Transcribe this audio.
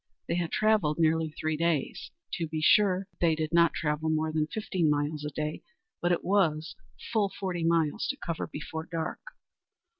They had travelled nearly three days. To be sure, they did not travel more than fifteen miles a day, but it was full forty miles to cover before dark.